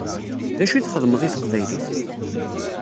D acu i txedmeḍ i teqbaylit?